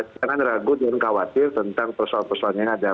jangan ragu dan khawatir tentang persoalan persoalan yang ada